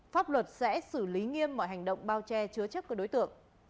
pháp luật sẽ xử lý nghiêm mọi hành động bao che chứa chấp các đối tượng